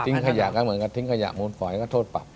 ขยะก็เหมือนกันทิ้งขยะมูลฝอยก็โทษปรับ